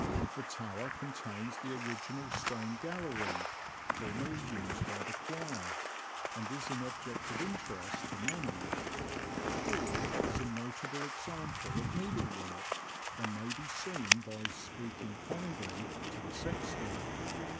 The tower contains the original stone gallery, formerly used by the choir, and is an object of interest to many. The pall is a notable example of needlework, and may be seen by ''speaking kindly" to the sexton.